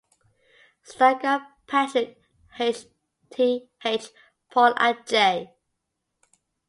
Stakem, Patrick H. T. H. Paul and J.